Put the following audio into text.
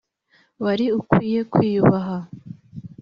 wari ukwiye kwiyubaha